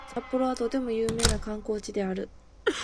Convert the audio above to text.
札幌はとても有名な観光地である